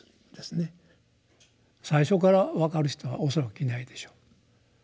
最初から分かる人は恐らくいないでしょう。